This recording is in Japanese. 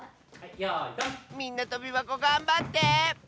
みんなとびばこがんばって！